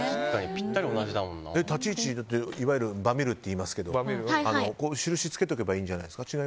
立ち位置、いわゆるバミるといいますけど印をつけておけばいいんじゃないですか？